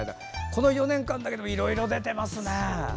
この４年間だけでもいろいろ出てますね。